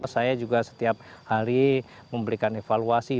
saya juga setiap hari memberikan evaluasi